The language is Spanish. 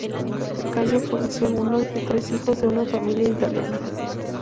Gallo fue el segundo de tres hijos de una familia italiana.